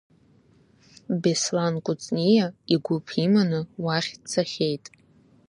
Беслан Кәыҵниа игәыԥ иманы уахь дцахьеит.